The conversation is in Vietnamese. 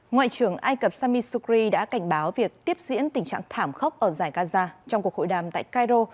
ngoại trưởng ai cập sami sukri đã cảnh báo việc tiếp diễn tình trạng thảm khốc ở giải gaza trong cuộc hội đàm tại cairo